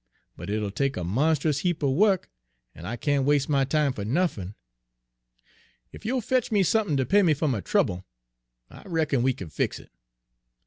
But it'll take a monst'us heap er wuk, en I can't was'e my time fer nuffin. Ef you'll fetch me sump'n ter pay me fer my trouble, I reckon we kin fix it.'